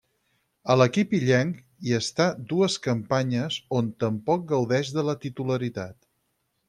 A l'equip illenc hi està dues campanyes, on tampoc gaudeix de la titularitat.